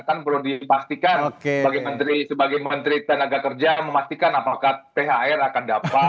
kan perlu dipastikan sebagai menteri tenaga kerja memastikan apakah thr akan dapat